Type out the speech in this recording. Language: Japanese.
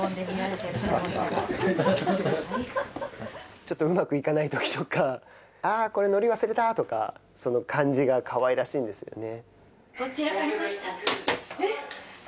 ちょっとうまくいかないときとかあこれのり忘れたとかその感じがかわいらしいんですよね